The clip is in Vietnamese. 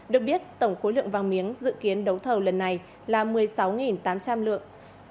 được biết tổng khối lượng vàng miếng dự kiến đấu thầu lần này là một mươi sáu tám trăm linh lượng